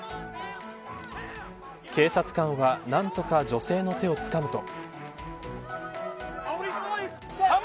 警察官は何とか女性の手をつかむと。